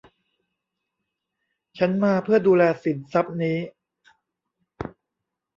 ฉันมาเพื่อดูแลสินทรัพย์นี้